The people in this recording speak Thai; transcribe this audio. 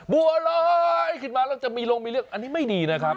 บัวลอยขึ้นมาแล้วจะมีลงมีเรื่องอันนี้ไม่ดีนะครับ